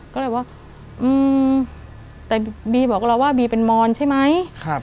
ก็เลยว่าแต่บีบอกเราว่าบีเป็นมอนใช่ไหม